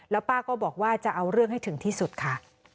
แล้วป้าก็บอกว่าจะเอาเรื่องให้ถึงที่สุดค่ะ